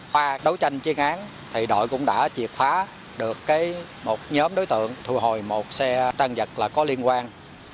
qua đấu tranh chiến án đội cũng đã triệt phá được một nhóm đối tượng thu hồi một xe tăng giật có liên quan